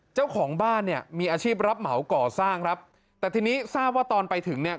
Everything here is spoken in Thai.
เจ้าของบ้านเนี่ยมีอาชีพรับเหมาก่อสร้างครับแต่ทีนี้ทราบว่าตอนไปถึงเนี่ย